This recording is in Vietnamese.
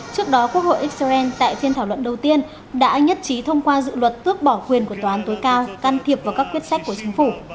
trước đó quốc hội israel tại phiên thảo luận đầu tiên đã nhất trí thông qua dự luật tước bỏ quyền của tòa án tối cao can thiệp vào các quyết sách của chính phủ